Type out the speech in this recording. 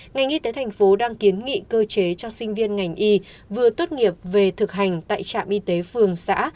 ngành y tế thành phố đang kiến nghị cơ chế cho sinh viên ngành y vừa tốt nghiệp về thực hành tại trạm y tế phường xã